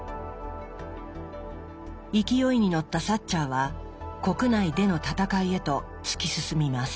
勢いに乗ったサッチャーは国内での戦いへと突き進みます。